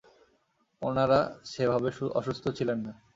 উনারা সেভাবে অসুস্থ ছিলেন না!